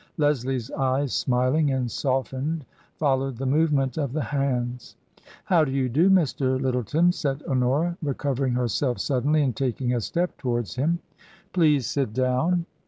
Leslie's eyes smiling and softened followed the movement of the hands. " How do you do, Mr. Lyttleton ?" said Honora, re covering herself suddenly and taking a step towards him. " Please sit down."